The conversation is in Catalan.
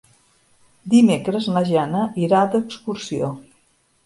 Dimecres na Jana irà d'excursió.